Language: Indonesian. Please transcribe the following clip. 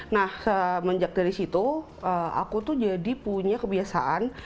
nah semenjak dari situ aku tuh jadi punya kebiasaan